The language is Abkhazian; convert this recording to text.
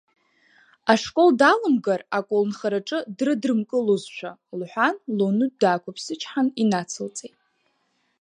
Ашкол далымгар, аколнхараҿы дрыдрымкылозшәа, — лҳәан лоунытә даақәыԥсычҳан, инацылҵеит…